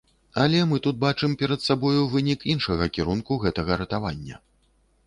Але мы тут бачым перад сабою вынік іншага кірунку гэтага ратавання.